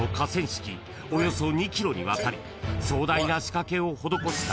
およそ２ｋｍにわたり壮大な仕掛けを施した］